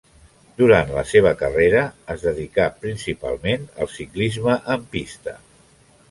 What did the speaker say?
Durant la seva carrera es dedicà principalment al ciclisme en pista.